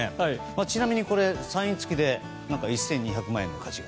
ちなみに、これサイン付きで１２００万円の価値が。